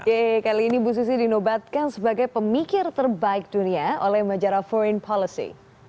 yeay kali ini bu susi dinobatkan sebagai pemikir terbaik dunia oleh majara foreign policy